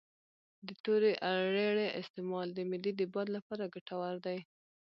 د تورې اریړې استعمال د معدې د باد لپاره ګټور دی